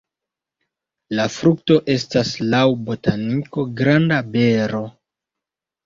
La frukto estas laŭ botaniko granda bero.